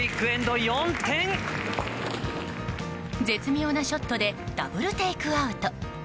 絶妙なショットでダブルテイクアウト。